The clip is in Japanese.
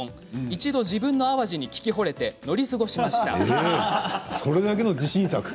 一度、自分の淡路に聞きほれて乗り過ごしました。